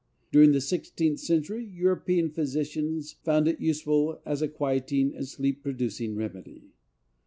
During the sixteenth century European physicians found it useful as a quieting and sleep producing remedy.